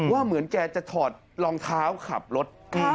เหมือนแกจะถอดรองเท้าขับรถ